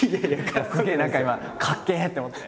すげえ何か今かっけえ！って思って。